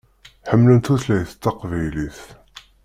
Ḥemmlen tutlayt taqbaylit.